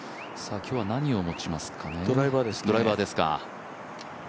今日は何を持ちますかね。